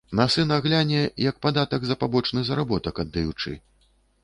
На сына гляне, як падатак за пабочны заработак аддаючы.